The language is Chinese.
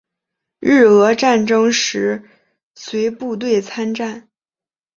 日俄战争时随部队参战。